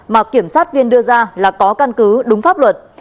mà kiểm sát viên đưa ra là có căn cứ đúng pháp luật